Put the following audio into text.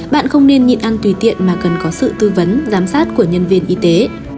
bạn không nên nhịn ăn tùy tiện mà cần có sự tư vấn giám sát của nhân viên y tế